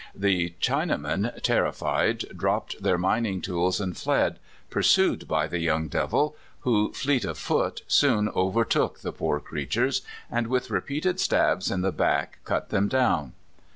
The Chinamen, terrified, dropped their mining tools and fled, pur sued by the young devil, who, fleet of foot, soon (110) A YOUTHFUL DESPERADO. Ill overtook the poor creatures, and with repeated stabs in the back cut them down.